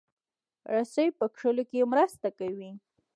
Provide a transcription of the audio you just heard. رسۍ په کښلو کې مرسته کوي.